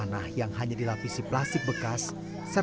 ini atapnya tidak hitam semua bu